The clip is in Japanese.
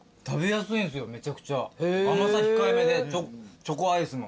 甘さ控えめでチョコアイスも。